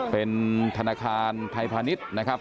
เป็นธนาคารไทยพาณิชย์นะครับ